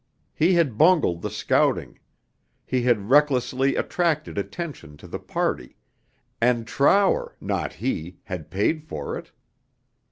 He had bungled the scouting; he had recklessly attracted attention to the party, and Trower, not he, had paid for it.